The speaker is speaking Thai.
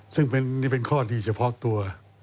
ซึ่งนี่เป็นข้อดีเฉพาะตัว